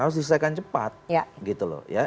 harus diselesaikan cepat